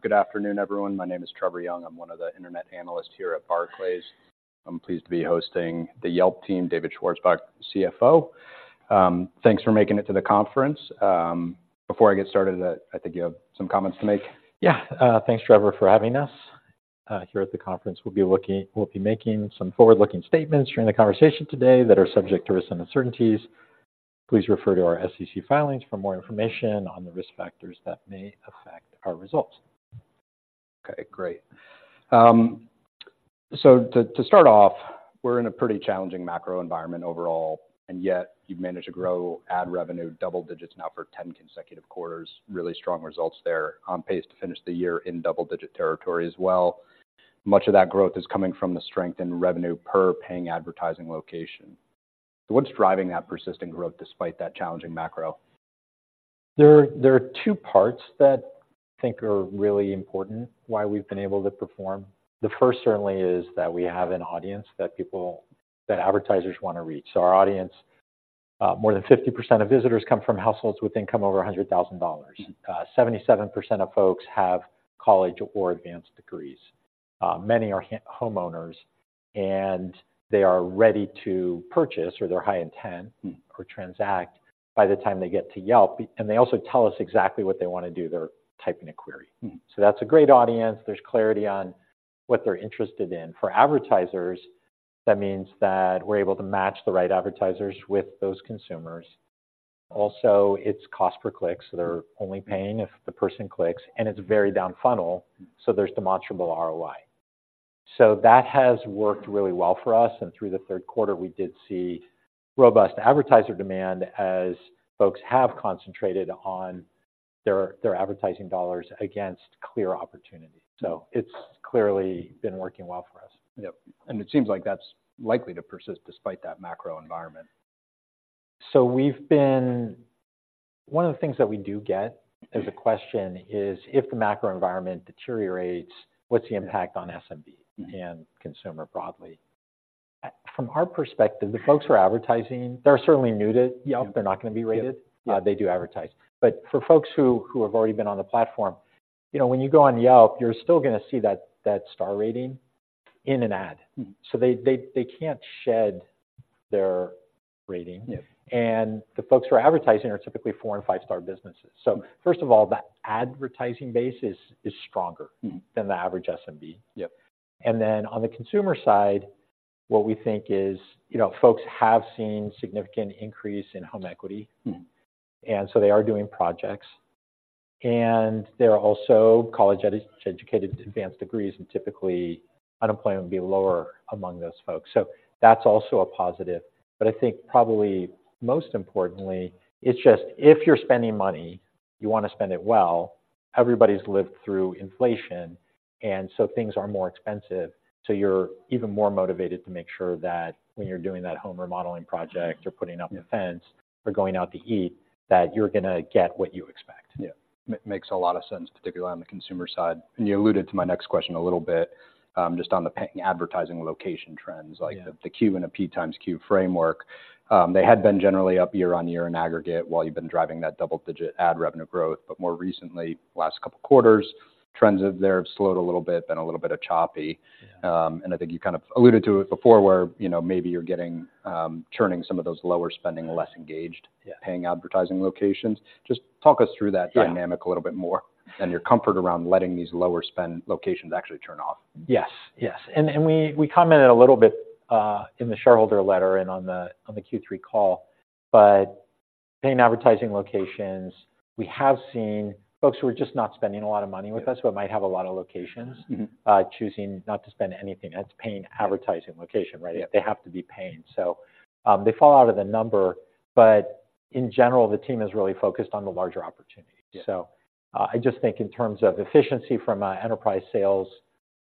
Good afternoon, everyone. My name is Trevor Young. I'm one of the internet analysts here at Barclays. I'm pleased to be hosting the Yelp team, David Schwarzbach, CFO. Thanks for making it to the conference. Before I get started, I think you have some comments to make. Yeah. Thanks, Trevor, for having us here at the conference. We'll be making some forward-looking statements during the conversation today that are subject to risks and uncertainties. Please refer to our SEC filings for more information on the risk factors that may affect our results. Okay, great. So to start off, we're in a pretty challenging macro environment overall, and yet you've managed to grow ad revenue double digits now for 10 consecutive quarters. Really strong results there, on pace to finish the year in double-digit territory as well. Much of that growth is coming from the strength in revenue per paying advertising location. So what's driving that persistent growth despite that challenging macro? There are two parts that I think are really important, why we've been able to perform. The first certainly is that we have an audience that people - that advertisers wanna reach. So our audience, more than 50% of visitors come from households with income over $100,000. Mm-hmm. 77% of folks have college or advanced degrees. Many are homeowners, and they are ready to purchase, or they're high intent- Mm.... or transact by the time they get to Yelp. They also tell us exactly what they wanna do, they're typing a query. Mm. So that's a great audience. There's clarity on what they're interested in. For advertisers, that means that we're able to match the right advertisers with those consumers. Also, it's cost per click, so they're only paying if the person clicks, and it's very down funnel, so there's demonstrable ROI. So that has worked really well for us, and through the third quarter, we did see robust advertiser demand as folks have concentrated on their advertising dollars against clear opportunities. So it's clearly been working well for us. Yep, and it seems like that's likely to persist despite that macro environment. One of the things that we do get as a question is, if the macro environment deteriorates, what's the impact on SMB- Mm. - and consumer broadly? From our perspective, the folks who are advertising, they're certainly new to Yelp. Yep. They're not gonna be rated. Yep. They do advertise. But for folks who have already been on the platform, you know, when you go on Yelp, you're still gonna see that star rating in an ad. Mm. So they can't shed their rating. Yep. The folks who are advertising are typically four- and five-star businesses. Mm. First of all, the advertising base is stronger- Mm - than the average SMB. Yep. And then on the consumer side, what we think is, you know, folks have seen significant increase in home equity. Mm. So they are doing projects. They're also college-educated to advanced degrees, and typically, unemployment would be lower among those folks. So that's also a positive. But I think probably most importantly, it's just if you're spending money, you wanna spend it well. Everybody's lived through inflation, and so things are more expensive, so you're even more motivated to make sure that when you're doing that home remodeling project or putting up a fence or going out to eat, that you're gonna get what you expect. Yeah. Makes a lot of sense, particularly on the consumer side. You alluded to my next question a little bit, just on the paying advertising location trends. Yeah. Like the Q&A, PxQ framework. They had been generally up year-over-year in aggregate, while you've been driving that double-digit ad revenue growth. But more recently, last couple quarters, trends there have slowed a little bit, been a little bit choppy. Yeah. And I think you kind of alluded to it before, where, you know, maybe you're getting, churning some of those lower spending, less engaged- Yeah - paying advertising locations. Just talk us through that dynamic- Yeah a little bit more, and your comfort around letting these lower spend locations actually turn off. Yes, yes. And we commented a little bit in the shareholder letter and on the Q3 call, but Paying Advertising Locations, we have seen folks who are just not spending a lot of money with us- Yeah. - who might have a lot of locations - Mm-hmm - choosing not to spend anything. That's Paying Advertising Location, right? Yep. They have to be paying. So, they fall out of the number, but in general, the team is really focused on the larger opportunity. Yeah. So, I just think in terms of efficiency from an enterprise sales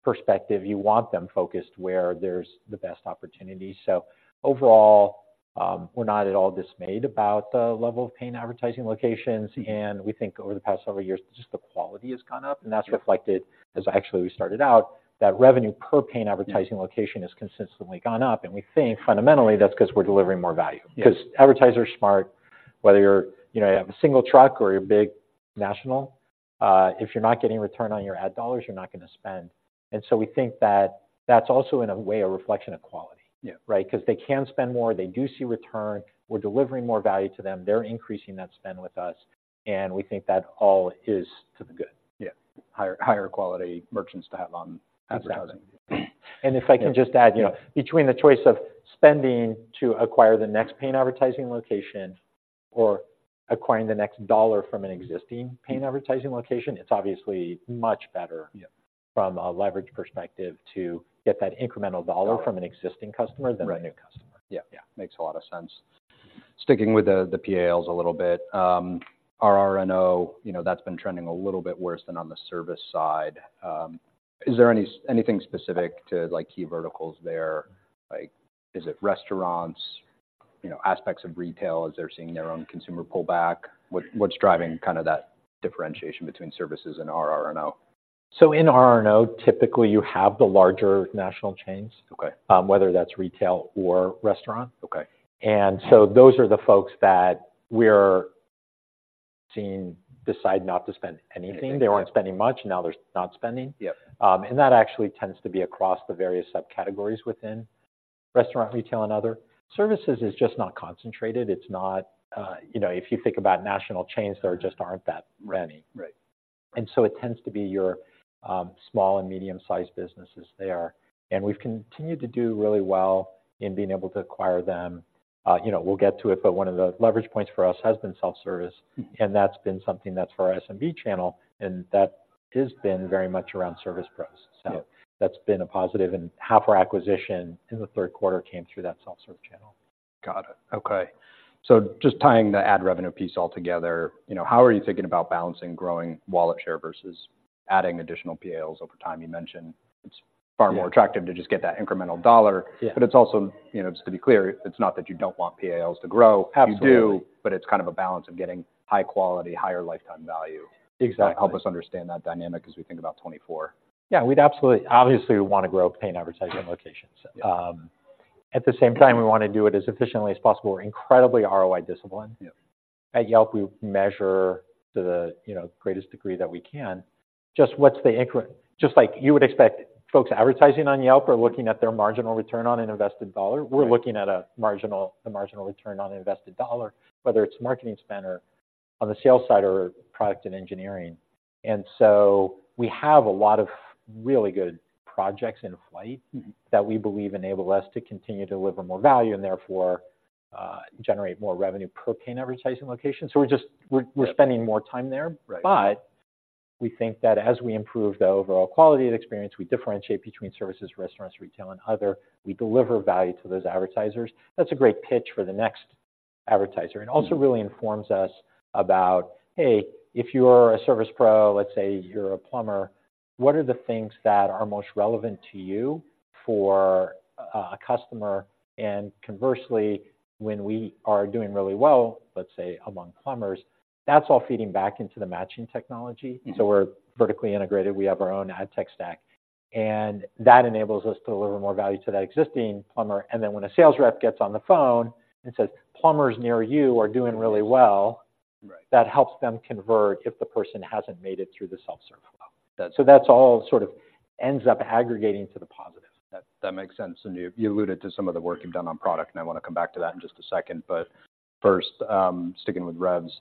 perspective, you want them focused where there's the best opportunity. So overall, we're not at all dismayed about the level of paying advertising locations. Yeah. We think over the past several years, just the quality has gone up. Yeah. That's reflected as actually we started out, that revenue per paying advertising location- Yeah has consistently gone up, and we think fundamentally, that's 'cause we're delivering more value. Yeah. 'Cause advertisers are smart, whether you're, you know, have a single truck or you're a big national, if you're not getting return on your ad dollars, you're not gonna spend. And so we think that that's also, in a way, a reflection of quality. Yeah. Right? 'Cause they can spend more, they do see return, we're delivering more value to them, they're increasing that spend with us, and we think that all is to the good. Yeah. Higher, higher quality merchants to have on advertising. Exactly. And if I can just add- Yeah. - between the choice of spending to acquire the next paying advertising location or acquiring the next dollar from an existing paying advertising location, it's obviously much better- Yeah - from a leverage perspective to get that incremental dollar- Dollar. from an existing customer Right - than a new customer. Yeah. Yeah. Makes a lot of sense. Sticking with the PALs a little bit, RR&O, you know, that's been trending a little bit worse than on the service side. Is there anything specific to, like, key verticals there? Like, is it restaurants, you know, aspects of retail, as they're seeing their own consumer pullback? What's driving kind of that differentiation between services and RR&O? In RR&O, typically you have the larger national chains- Okay... whether that's retail or restaurant. Okay. And so those are the folks that we're seeing decide not to spend anything. Anything. They weren't spending much, now they're not spending. Yep. That actually tends to be across the various subcategories within Restaurants, Retail, and Other. Services is just not concentrated. It's not, you know, if you think about national chains, there just aren't that many. Right. And so it tends to be your small and medium-sized businesses there, and we've continued to do really well in being able to acquire them. You know, we'll get to it, but one of the leverage points for us has been self-service- Mm-hmm. that's been something that's for our SMB channel, and that has been very much around service pros. Yeah. That's been a positive, and half our acquisition in the third quarter came through that self-serve channel. Got it. Okay. So just tying the ad revenue piece all together, you know, how are you thinking about balancing growing wallet share versus adding additional PALs over time? You mentioned it's- Yeah.... far more attractive to just get that incremental dollar. Yeah. It's also, you know, just to be clear, it's not that you don't want PALs to grow. Absolutely. You do, but it's kind of a balance of getting high quality, higher lifetime value. Exactly. Help us understand that dynamic as we think about 2024. Yeah, we'd absolutely... Obviously, we want to grow paying advertising locations. Yeah. At the same time, we wanna do it as efficiently as possible. We're incredibly ROI disciplined. Yeah. At Yelp, we measure to the, you know, greatest degree that we can. Just what's the increment? Just like you would expect folks advertising on Yelp are looking at their marginal return on an invested dollar- Right.... we're looking at the marginal return on an invested dollar, whether it's marketing spend or on the sales side or product and engineering. And so we have a lot of really good projects in flight- Mm-hmm... that we believe enable us to continue to deliver more value, and therefore, generate more revenue per paying advertising location. So we're just- Yeah... we're spending more time there. Right. We think that as we improve the overall quality of the experience, we differentiate between services, restaurants, retail, and other. We deliver value to those advertisers. That's a great pitch for the next advertiser- Mm-hmm.... and also really informs us about, hey, if you're a service pro, let's say you're a plumber, what are the things that are most relevant to you for a customer? And conversely, when we are doing really well, let's say, among plumbers, that's all feeding back into the matching technology. Mm-hmm. So we're vertically integrated. We have our own ad tech stack, and that enables us to deliver more value to that existing plumber, and then when a sales rep gets on the phone and says, "Plumbers near you are doing really well- Right.... that helps them convert if the person hasn't made it through the self-serve flow. So that's all sort of ends up aggregating to the positive. That makes sense, and you alluded to some of the work- Yeah You've done on product, and I wanna come back to that in just a second. But first, sticking with revs,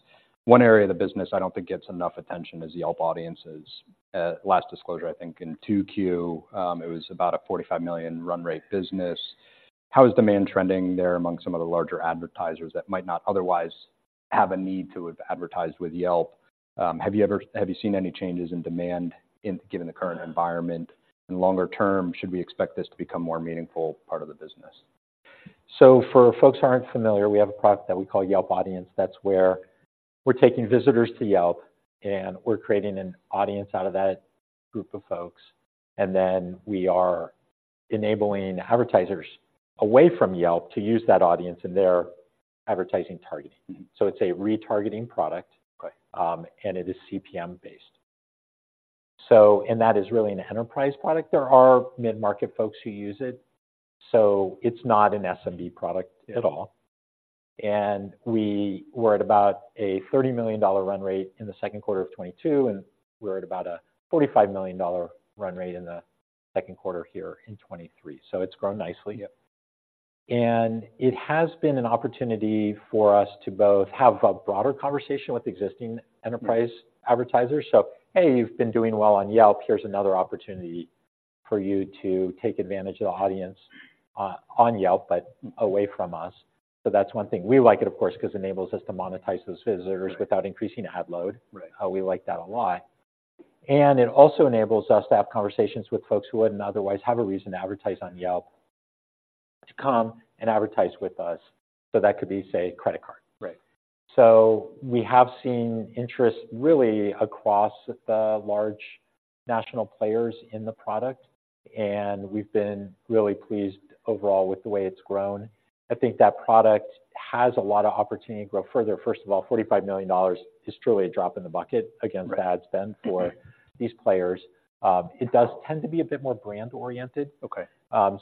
one area of the business I don't think gets enough attention is Yelp Audiences. At last disclosure, I think in 2Q, it was about a $45 million run rate business. How is demand trending there among some of the larger advertisers that might not otherwise have a need to have advertised with Yelp? Have you seen any changes in demand given the current environment, and longer term, should we expect this to become more meaningful part of the business? For folks who aren't familiar, we have a product that we call Yelp Audiences. That's where we're taking visitors to Yelp, and we're creating an audience out of that group of folks, and then we are enabling advertisers away from Yelp to use that audience in their advertising targeting. Mm-hmm. So it's a retargeting product. Okay. And it is CPM-based. So, and that is really an enterprise product. There are mid-market folks who use it, so it's not an SMB product at all. Mm-hmm. We were at about a $30 million run rate in the second quarter of 2022, and we're at about a $45 million run rate in the second quarter here in 2023. It's grown nicely. Yeah. It has been an opportunity for us to both have a broader conversation with existing enterprise advertisers. Yeah. So, "Hey, you've been doing well on Yelp. Here's another opportunity for you to take advantage of the audience, on Yelp, but away from us." So that's one thing. We like it, of course, because it enables us to monetize those visitors- Right... without increasing ad load. Right. We like that a lot. It also enables us to have conversations with folks who wouldn't otherwise have a reason to advertise on Yelp, to come and advertise with us, so that could be, say, credit card. Right. So we have seen interest really across the large national players in the product, and we've been really pleased overall with the way it's grown. I think that product has a lot of opportunity to grow further. First of all, $45 million is truly a drop in the bucket- Right.... against ad spend for- Mm-hmm.... these players. It does tend to be a bit more brand-oriented. Okay.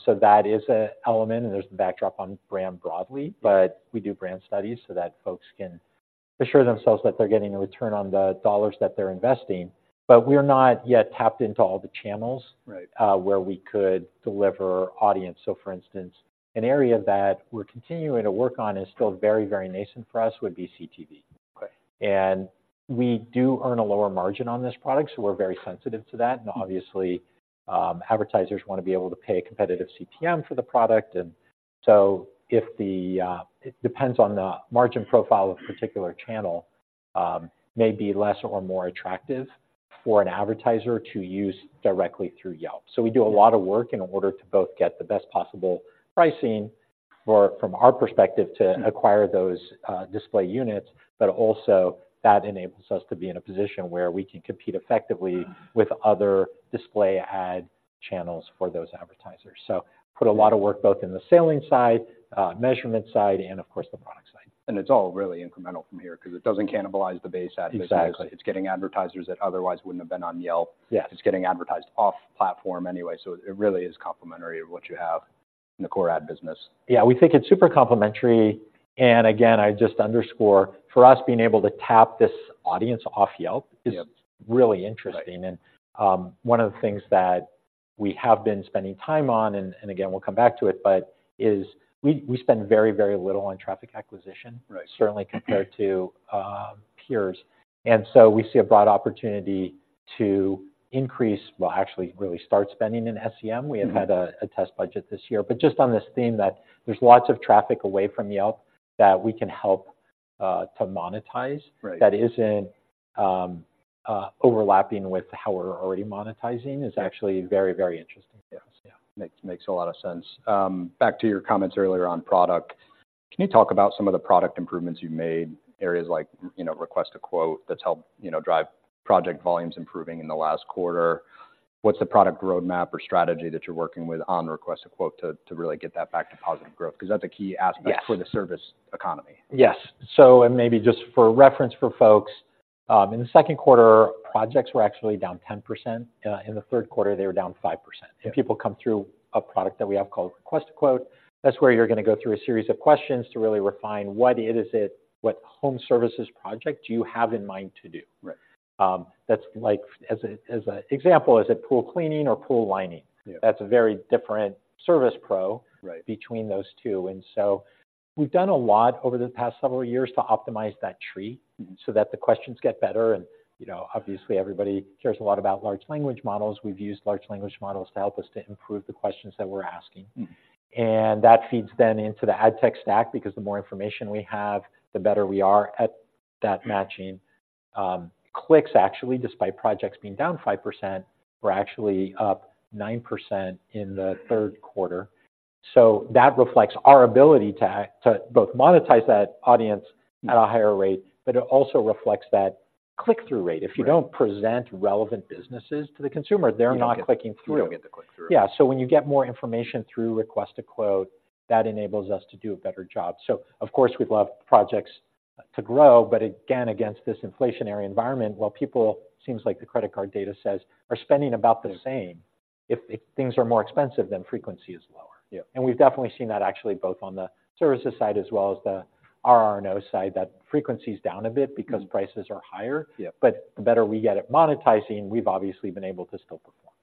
So that is an element, and there's the backdrop on brand broadly. Yeah. But we do brand studies so that folks can assure themselves that they're getting a return on the dollars that they're investing, but we're not yet tapped into all the channels. Right... where we could deliver audience. So, for instance, an area that we're continuing to work on is still very, very nascent for us, would be CTV. Okay. We do earn a lower margin on this product, so we're very sensitive to that, and obviously, advertisers wanna be able to pay a competitive CPM for the product. And so, it depends on the margin profile of particular channel, may be less or more attractive for an advertiser to use directly through Yelp. Yeah. We do a lot of work in order to both get the best possible pricing or from our perspective- Mm-hmm... to acquire those display units, but also that enables us to be in a position where we can compete effectively with other display ad channels for those advertisers. Yeah. So put a lot of work, both in the selling side, measurement side, and of course, the product side. It's all really incremental from here 'cause it doesn't cannibalize the base advertising. Exactly. It's getting advertisers that otherwise wouldn't have been on Yelp. Yeah. It's getting advertised off-platform anyway, so it really is complementary of what you have... in the core ad business. Yeah, we think it's super complementary. And again, I just underscore, for us, being able to tap this audience off Yelp- Yep. Is really interesting. Right. And, one of the things that we have been spending time on, and again, we'll come back to it, but we spend very, very little on traffic acquisition- Right. Certainly compared to peers. And so we see a broad opportunity to increase... well, actually really start spending in SEM. Mm-hmm. We have had a test budget this year. But just on this theme that there's lots of traffic away from Yelp that we can help to monetize- Right - that isn't overlapping with how we're already monetizing is actually very, very interesting. Yes. Yeah. Makes a lot of sense. Back to your comments earlier on product, can you talk about some of the product improvements you've made, areas like, you know, Request a Quote, that's helped, you know, drive project volumes improving in the last quarter? What's the product roadmap or strategy that you're working with on Request a Quote to really get that back to positive growth? Because that's a key aspect- Yes - for the service economy. Yes. Maybe just for reference for folks, in the second quarter, projects were actually down 10%. In the third quarter, they were down 5%. Yeah. If people come through a product that we have called Request a Quote, that's where you're gonna go through a series of questions to really refine what it is—what home services project do you have in mind to do? Right. That's like, as an example, is it pool cleaning or pool lining? Yeah. That's a very different service pro- Right. between those two. And so we've done a lot over the past several years to optimize that tree- Mm-hmm. So that the questions get better. You know, obviously, everybody cares a lot about large language models. We've used large language models to help us to improve the questions that we're asking. Mm-hmm. That feeds then into the ad tech stack, because the more information we have, the better we are at that matching. Clicks, actually, despite projects being down 5%, were actually up 9% in the third quarter. So that reflects our ability to both monetize that audience at a higher rate, but it also reflects that click-through rate. Right. If you don't present relevant businesses to the consumer, they're not clicking through. You don't get the click-through. Yeah. So when you get more information through Request a Quote, that enables us to do a better job. So of course, we'd love projects to grow, but again, against this inflationary environment, while people, seems like the credit card data says, are spending about the same, if, if things are more expensive, then frequency is lower. Yeah. We've definitely seen that, actually, both on the services side as well as the RR&O side, that frequency is down a bit. Mm-hmm. Because prices are higher. Yeah. But the better we get at monetizing, we've obviously been able to still perform.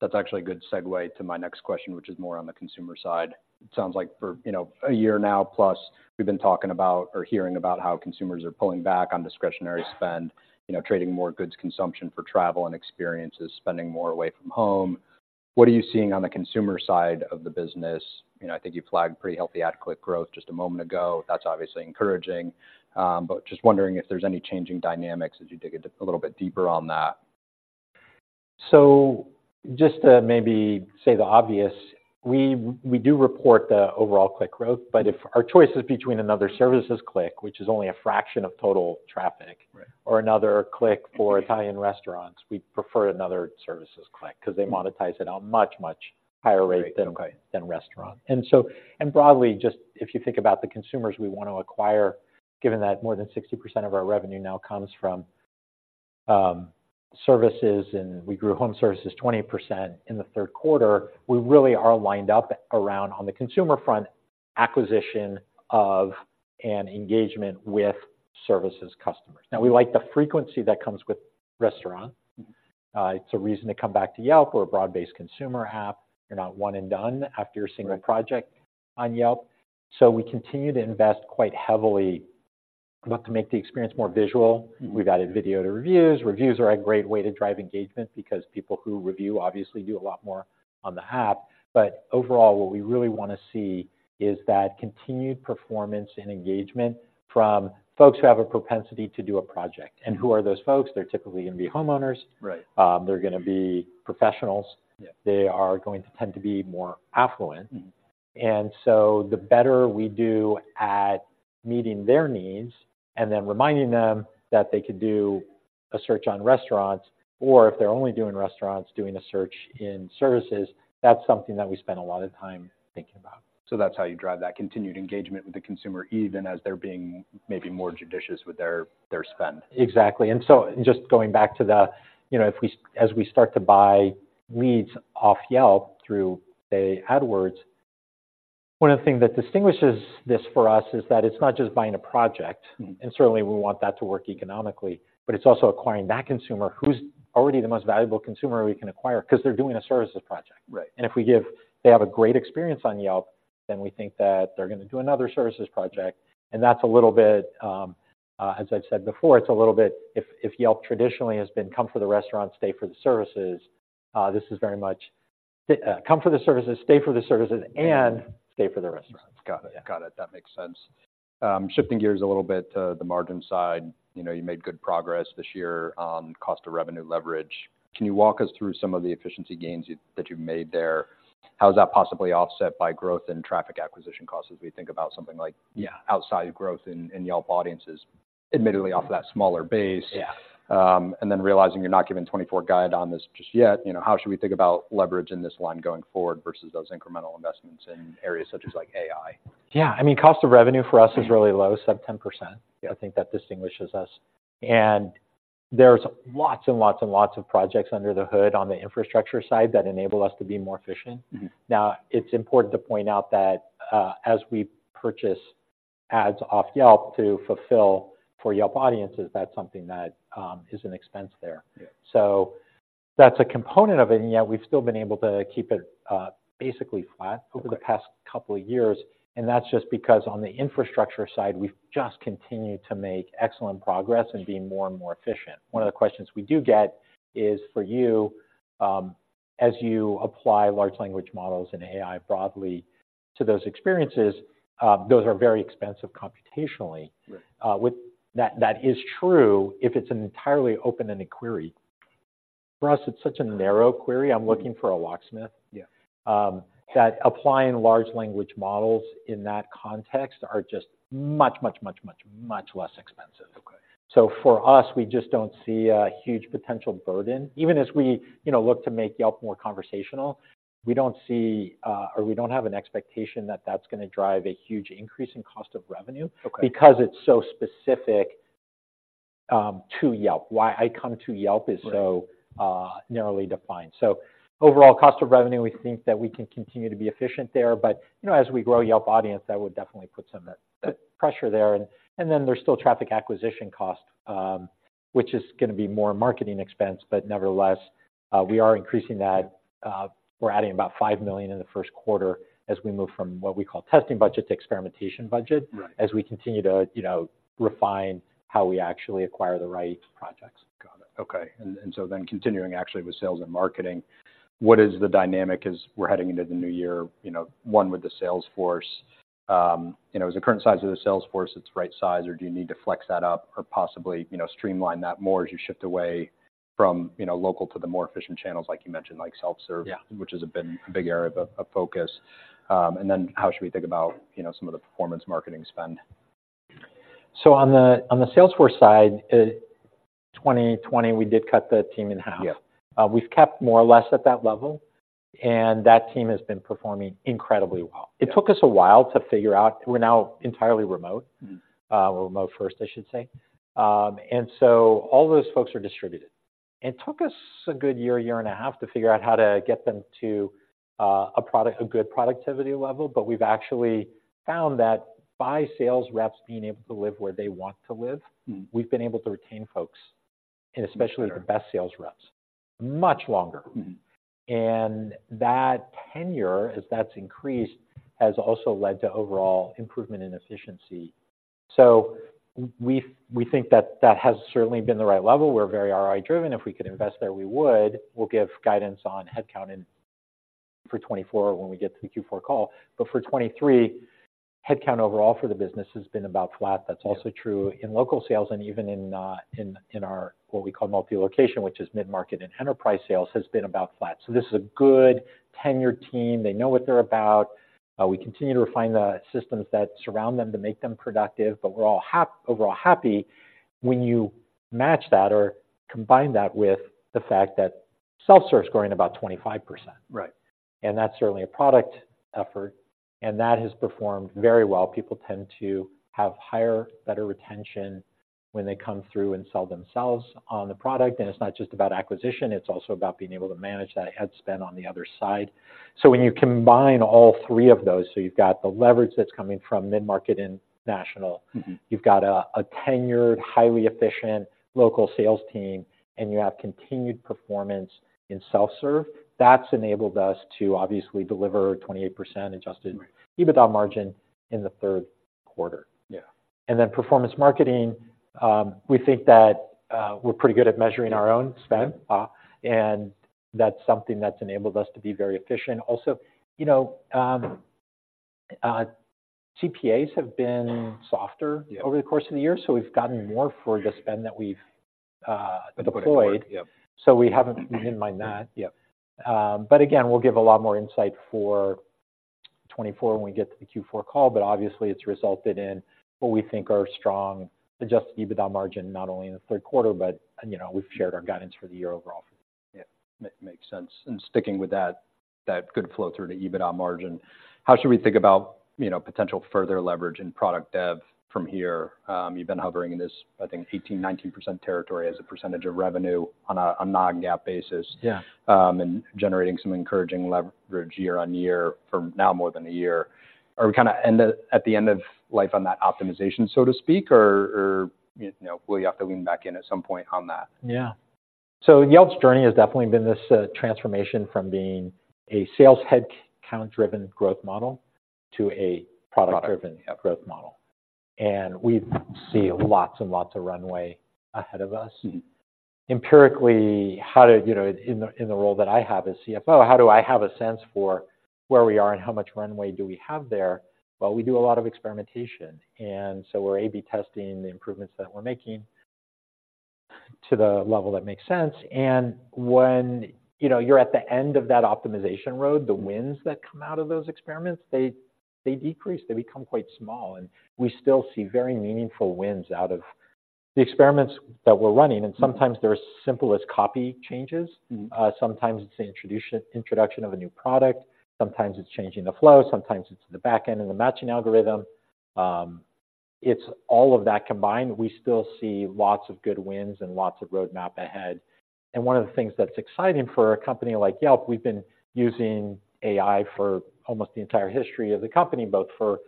That's actually a good segue to my next question, which is more on the consumer side. It sounds like for, you know, a year now plus, we've been talking about or hearing about how consumers are pulling back on discretionary spend, you know, trading more goods consumption for travel and experiences, spending more away from home. What are you seeing on the consumer side of the business? You know, I think you flagged pretty healthy ad click growth just a moment ago. That's obviously encouraging, but just wondering if there's any changing dynamics as you dig a little bit deeper on that. Just to maybe say the obvious, we do report the overall click growth, but if our choice is between another services click, which is only a fraction of total traffic- Right - or another click for Italian restaurants, we prefer another services click 'cause they monetize it at a much, much higher rate- Okay - than restaurant. And so, and broadly, just if you think about the consumers we want to acquire, given that more than 60% of our revenue now comes from services, and we grew home services 20% in the third quarter, we really are lined up around, on the consumer front, acquisition of an engagement with services customers. Now, we like the frequency that comes with restaurant. Mm-hmm. It's a reason to come back to Yelp. We're a broad-based consumer app. You're not one and done after your single project- Right on Yelp. We continue to invest quite heavily, both to make the experience more visual. Mm-hmm. We've added video to reviews. Reviews are a great way to drive engagement because people who review obviously do a lot more on the app. But overall, what we really wanna see is that continued performance and engagement from folks who have a propensity to do a project. Mm-hmm. Who are those folks? They're typically gonna be homeowners. Right. They're gonna be professionals. Yeah. They are going to tend to be more affluent. Mm-hmm. And so the better we do at meeting their needs and then reminding them that they could do a search on restaurants, or if they're only doing restaurants, doing a search in services, that's something that we spend a lot of time thinking about. So that's how you drive that continued engagement with the consumer, even as they're being maybe more judicious with their, their spend? Exactly. And so just going back to the, you know, if, as we start to buy leads off Yelp through, say, AdWords, one of the things that distinguishes this for us is that it's not just buying a project- Mm-hmm Certainly, we want that to work economically, but it's also acquiring that consumer who's already the most valuable consumer we can acquire, 'cause they're doing a services project. Right. If we give—they have a great experience on Yelp, then we think that they're gonna do another services project. That's a little bit, as I've said before, it's a little bit. If Yelp traditionally has been, "Come for the restaurant, stay for the services," this is very much, "Come for the services, stay for the services, and stay for the restaurants. Got it. Yeah. Got it. That makes sense. Shifting gears a little bit to the margin side, you know, you made good progress this year on cost to revenue leverage. Can you walk us through some of the efficiency gains you, that you've made there? How is that possibly offset by growth in traffic acquisition costs, as we think about something like- Yeah - outside growth in Yelp Audiences, admittedly off that smaller base? Yeah. And then realizing you're not giving 2024 guidance on this just yet, you know, how should we think about leverage in this line going forward versus those incremental investments in areas such as, like AI? Yeah. I mean, cost of revenue for us is really low, sub 10%. Yeah. I think that distinguishes us. There's lots and lots and lots of projects under the hood on the infrastructure side that enable us to be more efficient. Mm-hmm. Now, it's important to point out that as we purchase ads off Yelp to fulfill for Yelp Audiences, that's something that is an expense there. Yeah. So that's a component of it, and yet we've still been able to keep it, basically flat- Okay. -over the past couple of years, and that's just because on the infrastructure side, we've just continued to make excellent progress and being more and more efficient. One of the questions we do get is for you, as you apply large language models and AI broadly to those experiences, those are very expensive computationally. Right. With that, that is true if it's an entirely open-ended query. For us, it's such a narrow query. I'm looking for a locksmith- Yeah that applying Large Language Models in that context are just much, much, much, much, much less expensive. Okay. So for us, we just don't see a huge potential burden, even as we, you know, look to make Yelp more conversational. We don't see, or we don't have an expectation that that's gonna drive a huge increase in cost of revenue- Okay... because it's so specific to Yelp. Why I come to Yelp is so- Right Narrowly defined. So overall cost of revenue, we think that we can continue to be efficient there, but, you know, as we grow Yelp audience, that would definitely put some pressure there. And then there's still traffic acquisition cost, which is gonna be more marketing expense, but nevertheless, we are increasing that. We're adding about $5 million in the first quarter as we move from what we call testing budget to experimentation budget. Right as we continue to, you know, refine how we actually acquire the right projects. Got it. Okay. And so then continuing actually with sales and marketing, what is the dynamic as we're heading into the new year? You know, one, with the sales force, you know, is the current size of the sales force its right size, or do you need to flex that up or possibly, you know, streamline that more as you shift away from, you know, local to the more efficient channels, like you mentioned, like self-serve- Yeah -which has been a big area of focus. And then how should we think about, you know, some of the performance marketing spend? On the sales force side, 2020, we did cut the team in half. Yeah. We've kept more or less at that level, and that team has been performing incredibly well. Yeah. It took us a while to figure out... We're now entirely remote. Mm-hmm. We're remote first, I should say. And so all those folks are distributed. It took us a good year and a half to figure out how to get them to a good productivity level, but we've actually found that by sales reps being able to live where they want to live- Mm-hmm. We've been able to retain folks, and especially Sure. the best sales reps, much longer. Mm-hmm. That tenure, as that's increased, has also led to overall improvement in efficiency. So we think that has certainly been the right level. We're very ROI-driven. If we could invest there, we would. We'll give guidance on headcount and for 2024 when we get to the Q4 call. But for 2023, headcount overall for the business has been about flat. Yeah. That's also true in local sales and even in our what we call multi-location, which is mid-market, and enterprise sales has been about flat. So this is a good tenured team. They know what they're about. We continue to refine the systems that surround them to make them productive, but we're overall happy when you match that or combine that with the fact that self-serve is growing about 25%. Right. That's certainly a product effort, and that has performed very well. People tend to have higher, better retention when they come through and sell themselves on the product, and it's not just about acquisition, it's also about being able to manage that ad spend on the other side. So when you combine all three of those, so you've got the leverage that's coming from mid-market and national- Mm-hmm. You've got a tenured, highly efficient local sales team, and you have continued performance in self-serve. That's enabled us to obviously deliver 28% adjusted- Right. EBITDA margin in the third quarter. Yeah. And then performance marketing, we think that, we're pretty good at measuring our own spend- Yeah. That's something that's enabled us to be very efficient. Also, you know, CPAs have been softer- Yeah. over the course of the year, so we've gotten more for the spend that we've deployed. Yeah. We haven't been minding that. Yeah. But again, we'll give a lot more insight for 2024 when we get to the Q4 call, but obviously, it's resulted in what we think are strong Adjusted EBITDA margin, not only in the third quarter, but, you know, we've shared our guidance for the year overall. Yeah, makes sense. And sticking with that, that good flow through to EBITDA margin, how should we think about, you know, potential further leverage in product dev from here? You've been hovering in this, I think, 18-19% territory as a percentage of revenue on a non-GAAP basis- Yeah. and generating some encouraging leverage year-over-year for now more than a year. Are we kinda at the end of life on that optimization, so to speak, or, you know, will you have to lean back in at some point on that? Yeah. So Yelp's journey has definitely been this transformation from being a sales headcount-driven growth model to a product- Product. -driven growth model. We see lots and lots of runway ahead of us. Mm-hmm. Empirically, how do you know, in the role that I have as CFO, how do I have a sense for where we are and how much runway do we have there? Well, we do a lot of experimentation, and so we're A/B testing the improvements that we're making to the level that makes sense. And when, you know, you're at the end of that optimization road, the wins that come out of those experiments, they decrease, they become quite small, and we still see very meaningful wins out of the experiments that we're running. Mm-hmm. Sometimes they're as simple as copy changes. Mm-hmm. Sometimes it's the introduction of a new product, sometimes it's changing the flow, sometimes it's the back end and the matching algorithm. It's all of that combined. We still see lots of good wins and lots of roadmap ahead. One of the things that's exciting for a company like Yelp, we've been using AI for almost the entire history of the company, both for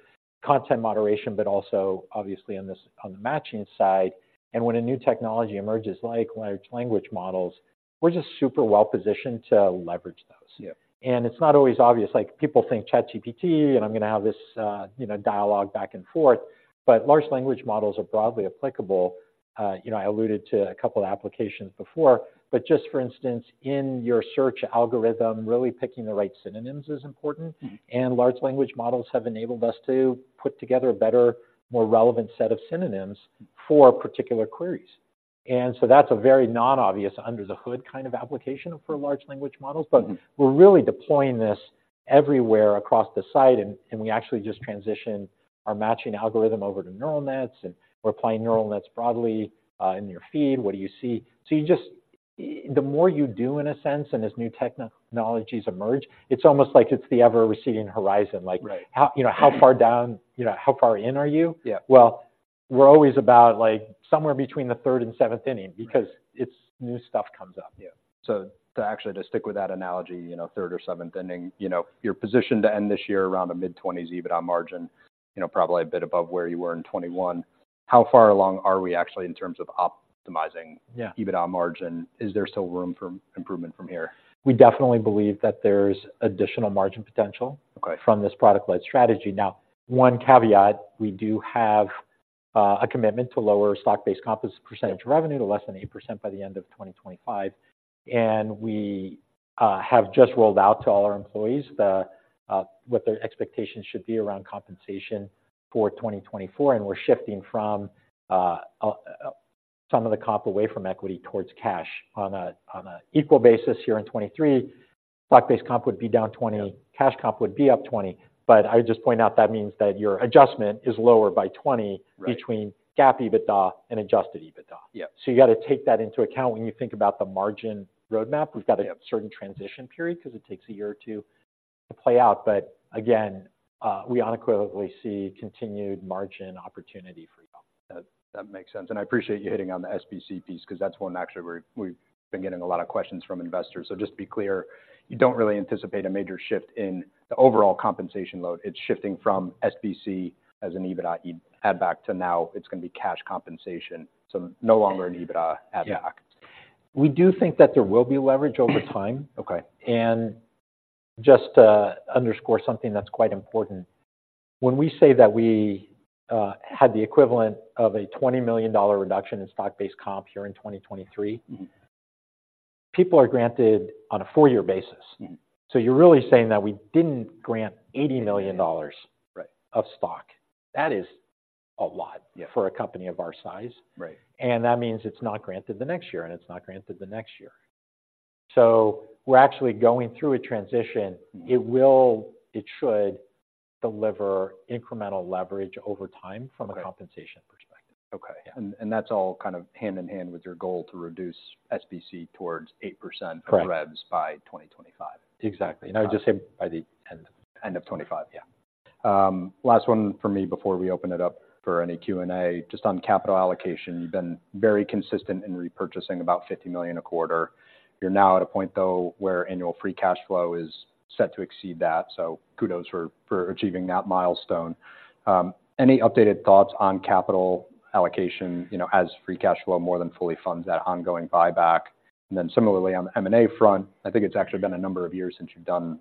content moderation, but also obviously on this, on the matching side. When a new technology emerges, like large language models, we're just super well positioned to leverage those. Yeah. It's not always obvious. Like, people think ChatGPT, and I'm gonna have this, you know, dialogue back and forth, but large language models are broadly applicable. You know, I alluded to a couple of applications before, but just for instance, in your search algorithm, really picking the right synonyms is important. Mm-hmm. And Large Language Models have enabled us to put together a better, more relevant set of synonyms for particular queries. And so that's a very non-obvious, under-the-hood kind of application for Large Language Models. Mm-hmm. But we're really deploying this everywhere across the site, and we actually just transitioned our matching algorithm over to neural nets, and we're applying neural nets broadly in your feed. What do you see? So you just... The more you do, in a sense, and as new technologies emerge, it's almost like it's the ever-receding horizon. Right. Like, how, you know, how far down. You know, how far in are you? Yeah. Well, we're always about, like, somewhere between the third and seventh inning- Right because it's new stuff comes up. Yeah. So actually to stick with that analogy, you know, third or seventh inning, you know, you're positioned to end this year around the mid-20s EBITDA margin, you know, probably a bit above where you were in 2021. How far along are we actually in terms of optimizing- Yeah EBITDA margin? Is there still room for improvement from here? We definitely believe that there's additional margin potential- Okay... from this product-led strategy. Now, one caveat, we do have a commitment to lower stock-based comp as a percentage of revenue to less than 8% by the end of 2025, and we have just rolled out to all our employees the what their expectations should be around compensation for 2024, and we're shifting from some of the comp away from equity towards cash. On an equal basis here in 2023, stock-based comp would be down 20, cash comp would be up 20. But I just point out that means that your adjustment is lower by 20- Right... between GAAP, EBITDA and Adjusted EBITDA. Yeah. You got to take that into account when you think about the margin roadmap. Yeah. We've got a certain transition period because it takes a year or two to play out. But again, we unequivocally see continued margin opportunity for Yelp. That, that makes sense, and I appreciate you hitting on the SBC piece, because that's one actually we've been getting a lot of questions from investors. So just to be clear, you don't really anticipate a major shift in the overall compensation load. It's shifting from SBC as an EBITDA add back to now it's gonna be cash compensation, so no longer an EBITDA add back. Yeah. We do think that there will be leverage over time. Okay. Just to underscore something that's quite important, when we say that we had the equivalent of a $20 million reduction in stock-based comp here in 2023. Mm-hmm.... people are granted on a four-year basis. Mm-hmm. So you're really saying that we didn't grant $80 million- Right. - of stock. That is a lot- Yeah. - for a company of our size. Right. That means it's not granted the next year, and it's not granted the next year. So we're actually going through a transition. Mm-hmm. It will, it should deliver incremental leverage over time. Okay.... from a compensation perspective. Okay. Yeah. And that's all kind of hand in hand with your goal to reduce SBC towards 8%- Correct.... of revs by 2025. Exactly. I would just say by the end. End of 25. Yeah. Last one for me before we open it up for any Q&A. Just on capital allocation, you've been very consistent in repurchasing about $50 million a quarter. You're now at a point, though, where annual free cash flow is set to exceed that, so kudos for achieving that milestone. Any updated thoughts on capital allocation? You know, as free cash flow more than fully funds that ongoing buyback. And then similarly, on the M&A front, I think it's actually been a number of years since you've done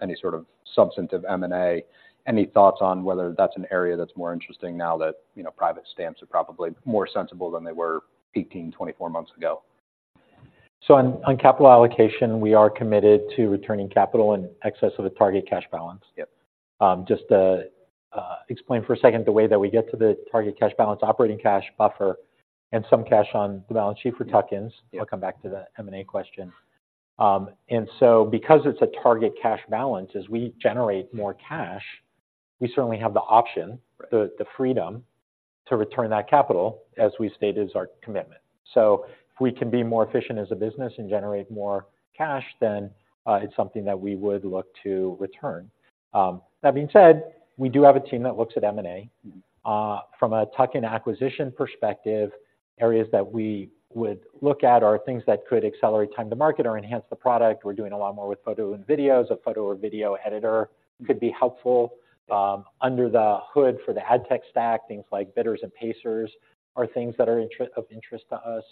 any sort of substantive M&A. Any thoughts on whether that's an area that's more interesting now that, you know, private comps are probably more sensible than they were 18, 24 months ago? On capital allocation, we are committed to returning capital in excess of a target cash balance. Yep. Just to explain for a second, the way that we get to the target cash balance, operating cash buffer, and some cash on the balance sheet for tuck-ins. Yeah. I'll come back to the M&A question. And so because it's a target cash balance, as we generate more cash, we certainly have the option- Right.... the freedom to return that capital, as we stated, is our commitment. So if we can be more efficient as a business and generate more cash, then, it's something that we would look to return. That being said, we do have a team that looks at M&A. Mm-hmm. From a tuck-in acquisition perspective, areas that we would look at are things that could accelerate time to market or enhance the product. We're doing a lot more with photo and video, so photo or video editor could be helpful. Under the hood for the ad tech stack, things like bidders and pacers are things that are of interest to us.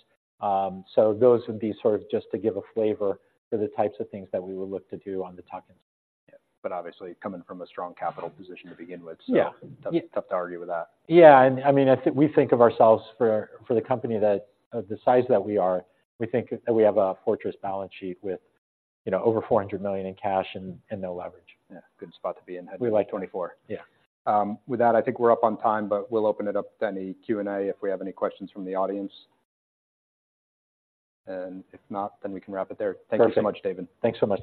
So those would be sort of just to give a flavor for the types of things that we would look to do on the tuck-ins. Yeah, but obviously, coming from a strong capital position to begin with- Yeah.... so tough, tough to argue with that. Yeah, and I mean, I think we think of ourselves for, for the company that, of the size that we are, we think that we have a fortress balance sheet with, you know, over $400 million in cash and, and no leverage. Yeah, good spot to be in- We like.... 2024. Yeah. With that, I think we're up on time, but we'll open it up to any Q&A if we have any questions from the audience. If not, then we can wrap it there. Perfect. Thank you so much, David. Thanks so much.